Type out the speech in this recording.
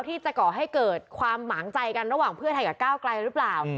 ที่จะก่อให้เกิดความหมางใจกันระหว่างเพื่อไทยกับก้าวไกลหรือเปล่า